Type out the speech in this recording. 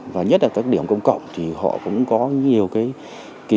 và nhất là các điểm công cộng thì họ cũng có nhiều cái